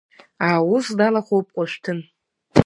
Аус далахәуп Кәышәҭын.